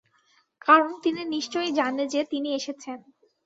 কারণ তিনি নিশ্চয়ই জানে যে তিনি এসেছেন।